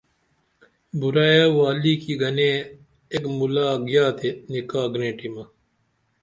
بُرعیے والے کی گنے ایک مُلا گیا تے نکاہ گرینٹیمہ